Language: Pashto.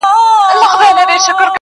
د بُت له ستوني اورمه آذان څه به کوو؟!!